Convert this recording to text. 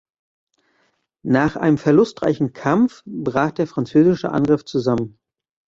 Nach einem verlustreichen Kampf brach der französische Angriff zusammen.